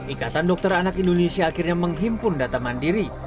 ikatan dokter anak indonesia akhirnya menghimpun data mandiri